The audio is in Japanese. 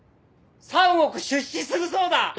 ３億出資するそうだ！